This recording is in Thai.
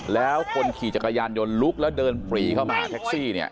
แล้วคนขี่จักรยานยนต์ลุกแล้วเดินปรีเข้ามาแท็กซี่เนี่ย